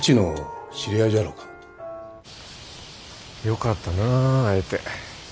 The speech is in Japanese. よかったなあ会えて。